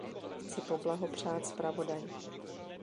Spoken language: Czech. Chci poblahopřát zpravodaji.